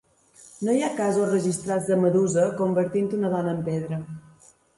No hi han casos registrats de Medusa convertint una dona en pedra.